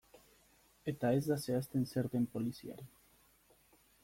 Eta ez da zehazten zer den poliziari.